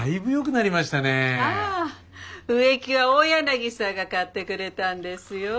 ああ植木は大柳さんが刈ってくれたんですよ。